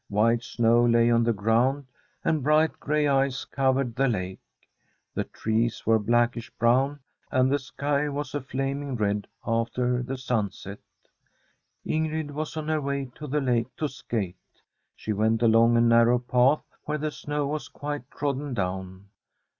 White snow lay on the ground, and bright gray ice covered the lake. The trees were blackish brown, and the sky was a flaming red after the sunset. Ingrid was on her way to the lake to skate. She went along a narrow path where the snow was quite trodden down.